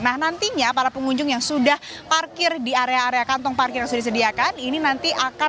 nah nantinya para pengunjung yang sudah parkir di area area kantong parkir yang sudah disediakan ini nanti akan